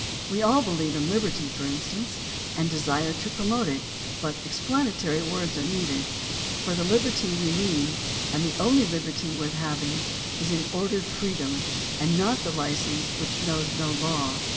We all believe in liberty, for instance, and desire to promote it, but explanatory words are needed, for the liberty we mean, and the only liberty worth having, is an ordered freedom and not the license which knows no law.